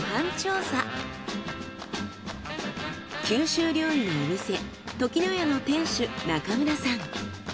九州料理のお店時乃屋の店主中村さん。